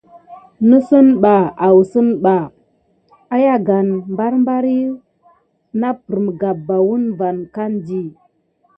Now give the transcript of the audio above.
Nisiba hotaba ayangane barbardi naprime gaban wune vapay mikesodi.